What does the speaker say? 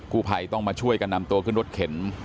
ผู้ภัยต้องมาช่วยกันนำตัวขึ้นรถเข็น